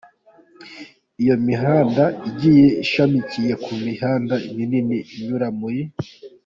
Iyo mihanda igiye ishamikiye ku mihanda minini inyura muri .